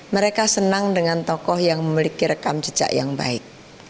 mereka senang dengan tokoh yang memiliki rekam jejak yang baik